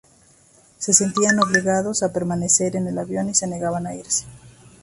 Se sentían obligados a permanecer en el avión y se negaban a irse.